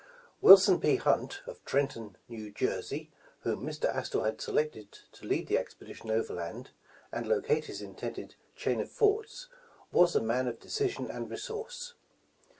WILSON P. Hunt, of Trenton, New Jersey, whom Mr. Astor had selected to lead the ex pedition overland, and locate his intended chain of forts, was a man of decision and resource.